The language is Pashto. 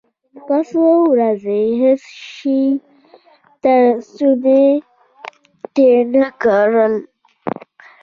ما څو ورځې هېڅ شى تر ستوني تېر نه کړل.